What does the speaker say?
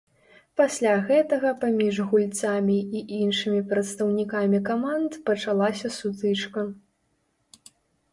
Пасля гэтага паміж гульцамі і іншымі прадстаўнікамі каманд пачалася сутычка.